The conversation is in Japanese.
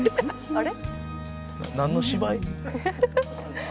「あれ？」